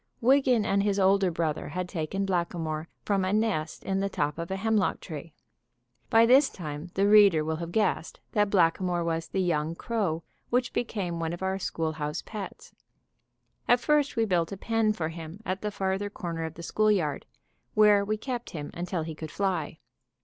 Wiggan and his older brother had taken Blackamoor from a nest in the top of a hemlock tree. By this time the reader will have guessed that Blackamoor was the young crow which became one of our schoolhouse pets. At first we built a pen for him at the farther corner of the schoolyard, where we kept him until he could fly.